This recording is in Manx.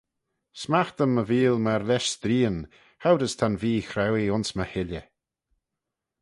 Smaght-ym my veeal myr lesh streean: choud as ta'n vee-chrauee ayns my hilley.